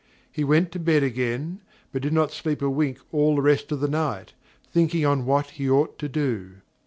He went to bed again, but did not sleep a wink all the rest of the night, thinking on what he ought to do.